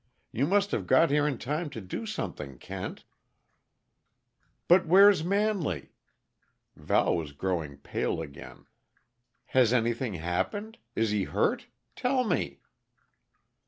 You must have got here in time to do something, Kent." "But where's Manley?" Val was growing pale again. "Has anything happened? Is he hurt? Tell me!"